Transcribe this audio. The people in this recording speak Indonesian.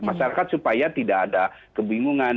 masyarakat supaya tidak ada kebingungan